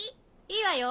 ・いいわよ